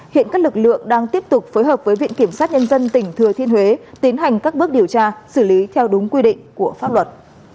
hiện các lực lượng đang tiếp tục phối hợp với viện kiểm sát nhân dân tỉnh thừa thiên huế tiến hành các bước điều tra xử lý theo đúng quy định của pháp luật